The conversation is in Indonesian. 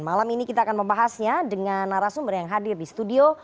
malam ini kita akan membahasnya dengan narasumber yang hadir di studio